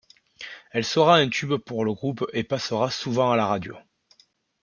Elle sera un tube pour le groupe et passera souvent à la radio.